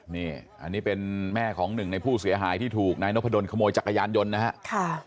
นี่อันนี้เป็นแม่ของหนึ่งในผู้เสียหายที่ถูกนายนพดลขโมยจักรยานยนต์นะครับ